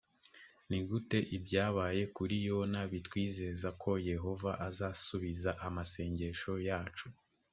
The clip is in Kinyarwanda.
ni gute ibyabaye kuri yona bitwizeza ko yehova azasubiza amasengesho yacu?